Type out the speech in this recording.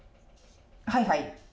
はいはい。